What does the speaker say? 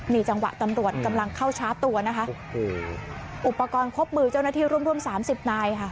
นี่จังหวะตำรวจกำลังเข้าชาร์จตัวนะคะอุปกรณ์ครบมือเจ้าหน้าที่ร่วมร่วมสามสิบนายค่ะ